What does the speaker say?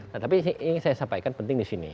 nah tapi yang saya sampaikan penting di sini